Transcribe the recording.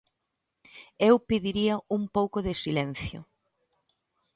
Eu pediría un pouco de silencio.